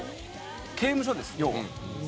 刑務所です要は。